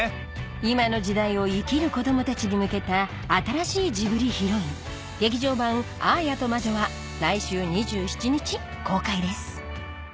今の時代を生きる子供たちに向けた新しいジブリヒロイン劇場版『アーヤと魔女』は来週２７日公開です